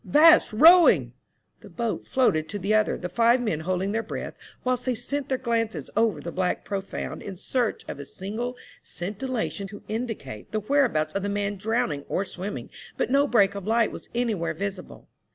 " 'Vast rowing !" The boat floated to the other, the five men holding their breath whilst they sent their glances over the black profound in search of a single scintillation to indicate the whereabouts of the man drowning or swimming ; but no break of light was anywhere visible.